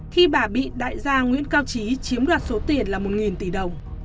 khi bà bị đại gia nguyễn cao trí chiếm đoạt số tiền là một tỷ đồng